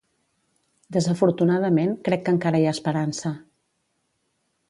Desafortunadament crec que encara hi ha esperança.